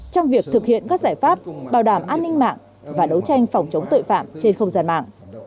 trong việc thực hiện các giải pháp bảo đảm an ninh mạng và đấu tranh phòng chống tội phạm trên không gian mạng